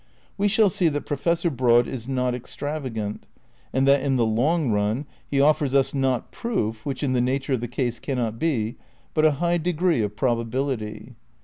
We shall see that Professor Broad is not extravagant ; and that in the long run he offers us, not proof, which in the nature of the case cannot be, but a high degree of probability.